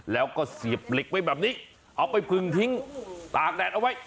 แล้วก็เสียบเหล็กไว้แบบนี้เอาไปพึงทิ้งตากแดดเอาไว้